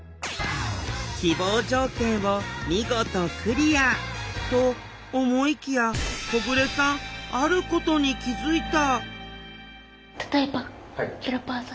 希望条件を見事クリア！と思いきや小暮さんあることに気付いた！